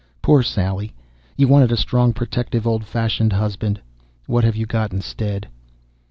_ _Poor Sally! You wanted a strong, protective, old fashioned husband. What have you got instead?